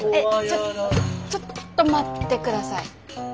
ちょちょっと待って下さい。